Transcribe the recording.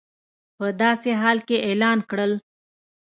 په داسې حال کې اعلان کړل